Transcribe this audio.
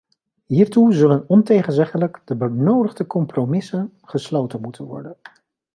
Hiertoe zullen ontegenzeggelijk de benodigde compromissen gesloten moeten worden.